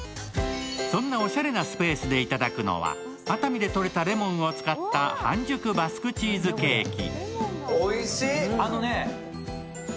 そんなおしゃれなスペースでいただくのは熱海でとれたレモンを使った半熟バスクチーズケーキ。